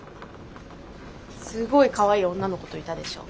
すごいかわいい女の子といたでしょ。